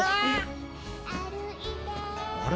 あれ？